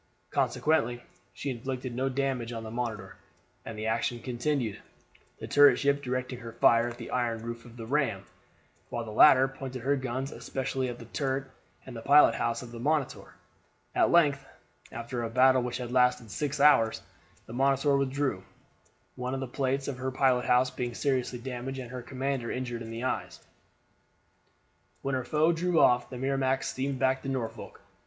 Consequently she inflicted no damage on the Monitor, and the action continued, the turret ship directing her fire at the iron roof of the ram, while the latter pointed her guns especially at the turret and pilot house of the Monitor. At length, after a battle which had lasted six hours, the Monitor withdrew, one of the plates of her pilot house being seriously damaged and her commander injured in the eyes. When her foe drew off the Merrimac steamed back to Norfolk.